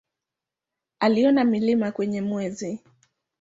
Aliona milima kwenye Mwezi.